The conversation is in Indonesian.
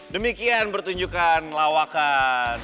demikian pertunjukan lawakan